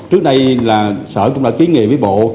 trước đây là sở cũng đã ký nghị với bộ